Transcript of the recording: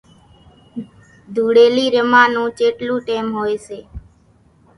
ڌوڙيلي رميا نون چيٽلون ٽيم ھوئي سي